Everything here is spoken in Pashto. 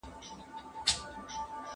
نورو ته ضرر رسول منع دي.